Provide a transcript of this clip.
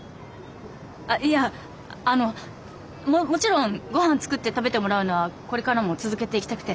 あっいやあのもちろんごはん作って食べてもらうのはこれからも続けていきたくて！